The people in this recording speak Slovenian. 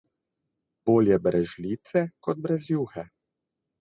Bolje brez žlice kot brez juhe.